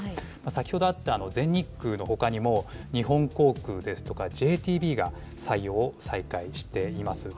先ほどあった全日空のほかにも、日本航空ですとかＪＴＢが採用を再開しています。